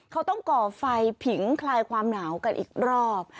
เขาต้องก่อไฟผิงคลายความหนาวกันอีกรอบ